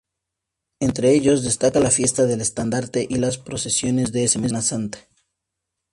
Entre ellos destaca la Fiesta del Estandarte y las procesiones de Semana Santa.